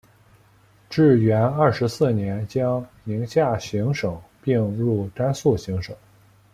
至元二十四年将宁夏行省并入甘肃行省。